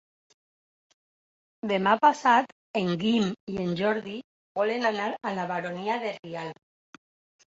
Demà passat en Guim i en Jordi volen anar a la Baronia de Rialb.